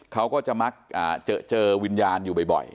เขาก็จะมักเจอวิญญาณอยู่บ่อย